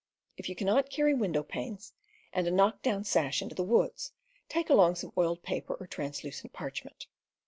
If you cannot carry window panes and a knock down sash into the woods, take along some oiled paper or translucent parchment.